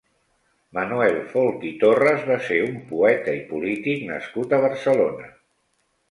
Manuel Folch i Torres va ser un poeta i polític nascut a Barcelona.